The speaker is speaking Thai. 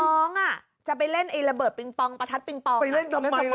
น้อง่่อะจะไปเล่นไอเลยบิ้งปองประทัดปิ้งปอง